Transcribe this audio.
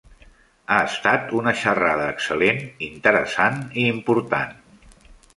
Ha estat una xerrada excel·lent, interessant i important.